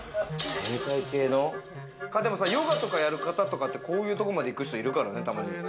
ヨガとかやる方とかって、こういうところまで行く人いるからね、たまに。